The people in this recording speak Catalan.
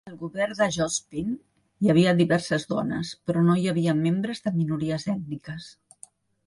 Al govern de Jospin hi havia diverses dones, però no hi havia membres de minories ètniques.